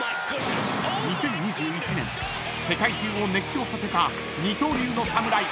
［２０２１年世界中を熱狂させた二刀流の侍